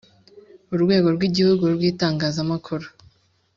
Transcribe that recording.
Urwego rw’igihugu rw’itangazamakuru